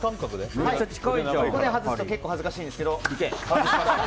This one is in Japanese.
これで外すと結構恥ずかしいんですけど。